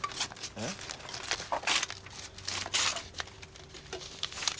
えっ？